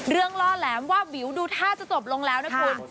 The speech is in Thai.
ล่อแหลมว่าวิวดูท่าจะจบลงแล้วนะคุณ